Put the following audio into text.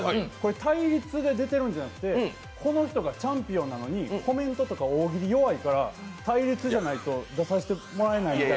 対立で出てるんじゃなくてこの人がチャンピオンなのにコメントとか大喜利弱いから対立じゃないと出させてもらえないって。